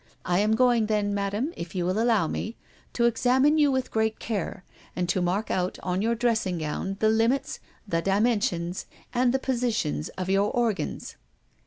I am going, then, Madame, if you will allow me, to examine you with great care, and to mark out on your dressing gown the limits, the dimensions, and the positions of your organs."